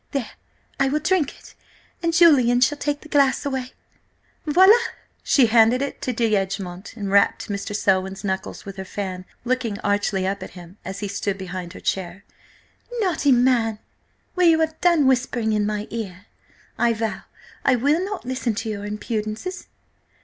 There, I will drink it, and Julian shall take the glass away ... Voilà!" She handed it to D'Egmont and rapped Mr. Selwyn's knuckles with her fan, looking archly up at him as he stood behind her chair. "Naughty man! Will you have done whispering in my ear? I vow I will not listen to your impudences!